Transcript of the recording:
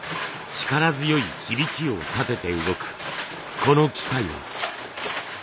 力強い響きを立てて動くこの機械は。